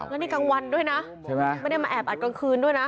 แล้วนี่กลางวันด้วยนะใช่ไหมไม่ได้มาแอบอัดกลางคืนด้วยนะ